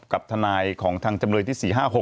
กับทนายของทางจำเลยที่๔๕๖